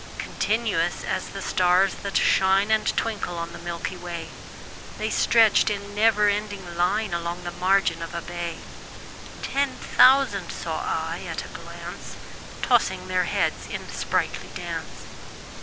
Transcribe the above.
Continuous as the stars that shine And twinkle on the milky way, The stretched in never ending line Along the margin of a bay: Ten thousand saw I at a glance, Tossing their heads in sprightly dance.